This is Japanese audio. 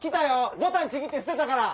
ボタンちぎって捨てたから。